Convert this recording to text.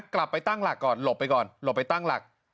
กลับไปตั้งหลักก่อนหลบไปก่อนหลบไปตั้งหลัก